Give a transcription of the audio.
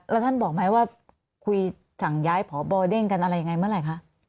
แล้วท่านบอกไหมว่าคุยสั่งย้ายพบเด้งกันอะไรยังไงเมื่อไหร่คะ